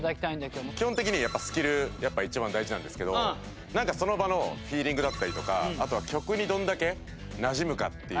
基本的にスキルやっぱ一番大事なんですけどなんかその場のフィーリングだったりとかあとは曲にどれだけなじむかっていう。